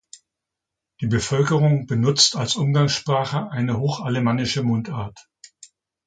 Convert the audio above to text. Die Bevölkerung benutzt als Umgangssprache eine hochalemannische Mundart.